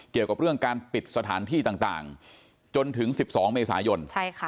เกี่ยวกับเรื่องการปิดสถานที่ต่างจนถึง๑๒เมษายน